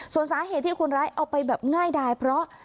ส่วนสาเหตุที่คนร้ายเอาไปแบบง่ายดายเพราะ